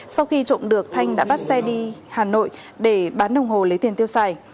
sau khi trộm được thanh đã bắt xe đi hà nội để bán đồng hồ lấy tiền tiêu xài